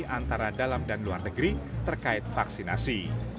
antara dalam dan luar negeri terkait vaksinasi